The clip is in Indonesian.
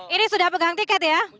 ini sudah pegang tiket ya